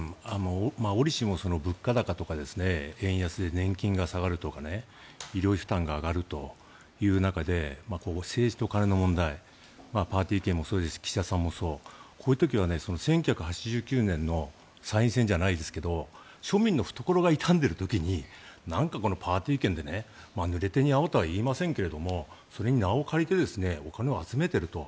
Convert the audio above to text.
おりしも物価高とか円安で円安で年金が下がるとか医療費負担が上がるという中で政治と金の問題パーティー券もそうですし岸田さんもそうこういう時は１９８９年の参院選じゃないですが庶民の懐が痛んでいる時になんかパーティー券でぬれ手にあわとは言いませんがそれに名を借りてお金を集めていると。